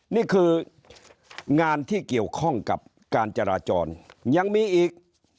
นี่คืองานที่เกี่ยวข้องกับการจราจรยังมีอีก